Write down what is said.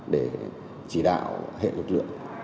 để chỉ đạo hệ lực lượng